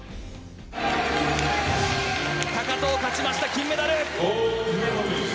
高藤勝ちました、金メダル。